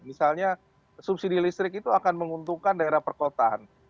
misalnya subsidi listrik itu akan menguntungkan daerah perkotaan